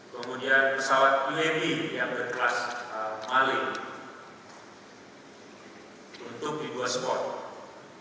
kemudian pesawat ple yang berkelas mali untuk di dua spot